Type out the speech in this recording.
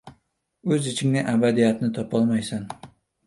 O‘z ichingdan abadiyatni topolmaysan.